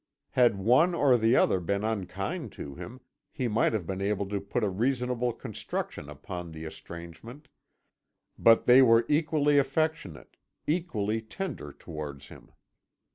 Had one or the other been unkind to him, he might have been able to put a reasonable construction upon the estrangement, but they were equally affectionate, equally tender towards him.